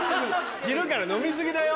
昼から飲み過ぎだよ。